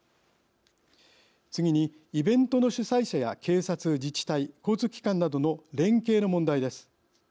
次に、イベントの主催者や警察自治体、交通機関などの連携の問題です。